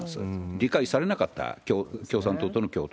理解されなかった、共産党との共